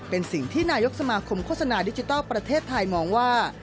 เป็นสิ่งที่นายกสมาคมโฆษณาดิจิทัลประเทศไทยมองว่า